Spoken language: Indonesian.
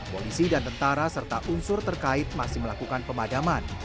polisi dan tentara serta unsur terkait masih melakukan pemadaman